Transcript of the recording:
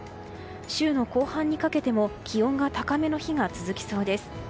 週の後半にかけても気温が高めの日が続きそうです。